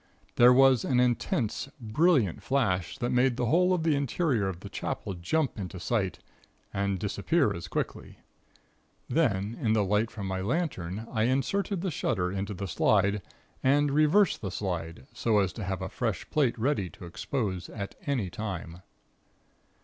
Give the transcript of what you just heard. There was an intense, brilliant flash, that made the whole of the interior of the Chapel jump into sight, and disappear as quickly. Then, in the light from my lantern, I inserted the shutter into the slide, and reversed the slide, so as to have a fresh plate ready to expose at any time.